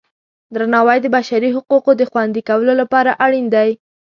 درناوی د بشري حقونو د خوندي کولو لپاره اړین دی.